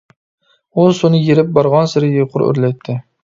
ئۇ، سۇنى يېرىپ، بارغانسېرى يۇقىرى ئۆرلەيتتى.